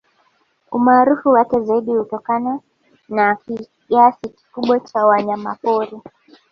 Umaarufu wake zaidi hutokana na kiasi kikubwa cha wanyamapori